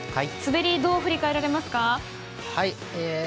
滑り、どう振り返られますか？